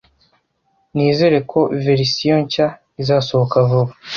Nizere ko verisiyo nshya izasohoka vuba.